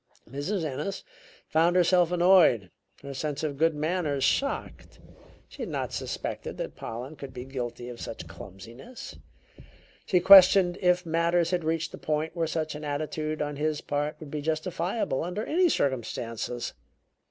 Mrs. Ennis found herself annoyed, her sense of good manners shocked. She had not suspected that Pollen could be guilty of such clumsiness; she questioned if matters had reached a point where such an attitude on his part would be justifiable under any circumstances.